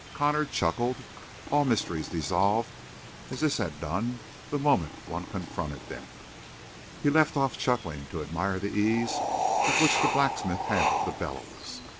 Connor chuckled; all mysteries dissolved as this had done the moment one confronted them. He left off chuckling to admire the ease with which the blacksmith handled the bellows.